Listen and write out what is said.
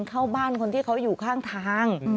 เข้าบ้านคนที่เขาอยู่ข้างทาง